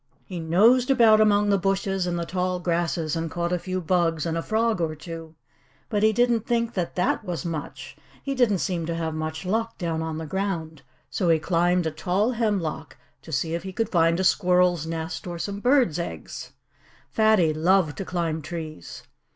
He nosed about among the bushes and the tall grasses and caught a few bugs and a frog or two. But he didn't think that THAT was much. He didn't seem to have much luck, down on the ground. So he climbed a tall hemlock, to see if he could find a squirrel's nest, or some bird's eggs. Fatty loved to climb trees.